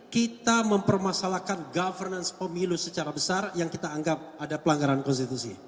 kita mempermasalahkan governance pemilu secara besar yang kita anggap ada pelanggaran konstitusi